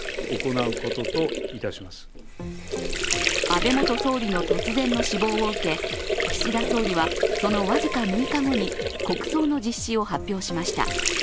安倍元総理の突然の死亡を受け、岸田総理はその僅か６日後に国葬の実施を発表しました。